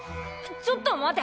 ちょっと待て！